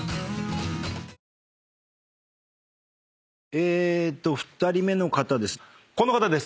えーっと２人目の方です。